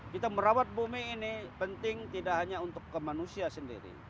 kita merawat bumi ini penting tidak hanya untuk kemanusia sendiri